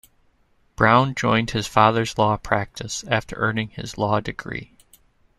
Brown joined his father's law practice after earning his law degree.